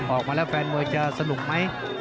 ออกมาแล้วแฟนมวยจะสนุกไหม